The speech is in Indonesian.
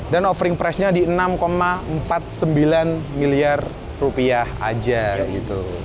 dan offering price nya di enam empat puluh sembilan miliar rupiah aja kayak gitu